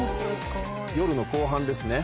夜の後半ですね